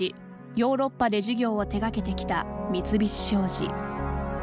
ヨーロッパで事業を手がけてきた、三菱商事。